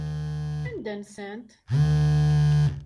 Anda nsant?